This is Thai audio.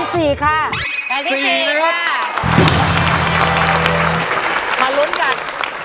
ที่๔ค่ะแผ่นที่๔ค่ะมารุ้นกัน